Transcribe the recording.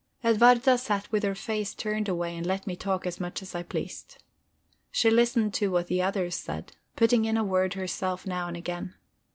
Edwarda sat with her face turned away and let me talk as much as I pleased. She listened to what the others said, putting in a word herself now and again.